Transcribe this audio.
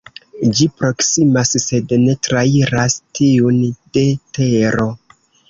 Ĝi proksimas sed ne trairas tiun de Tero.